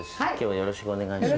よろしくお願いします。